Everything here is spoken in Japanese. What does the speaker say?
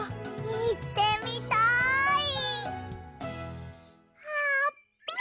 さわってみたい！